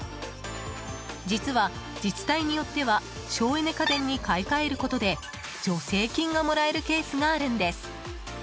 実は、自治体によっては省エネ家電に買い替えることで助成金がもらえるケースがあるんです。